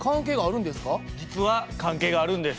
実は関係があるんです。